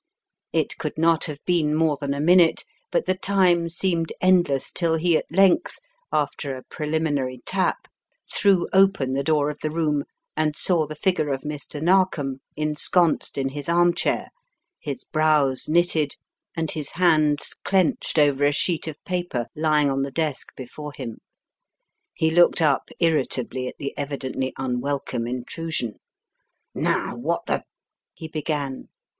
It could not have been more than a minute, but the time seemed endless till he at length, after a pre liminary tap, threw open the door of the room and saw the figure of Mr. Narkom ensconced in his arm chair, his brows knitted, and his hands clenched 51 52 The Riddle of tlte Purple Emperor over a sheet of paper lying on the desk before him. He looked up irritably at the evidently unwelcome intrusion. "Now, what the " he began.